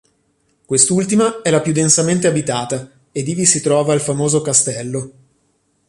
Quest'ultima è la più densamente abitata, ed ivi si trova il famoso Castello.